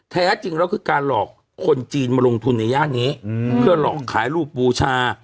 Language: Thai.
แท้จริงแล้วคือการหลอกคนจีนมาลงทุนในย่านนี้เพื่อหลอกขายรูปบูชา